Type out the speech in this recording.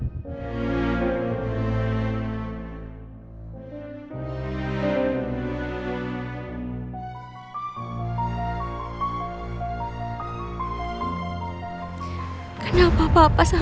macam mana kelihatan ini